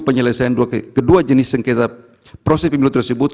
penyelesaian kedua jenis sengketa proses pemilu tersebut